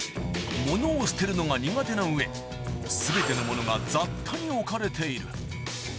物を捨てるのが苦手な上全てのものが雑多に置かれている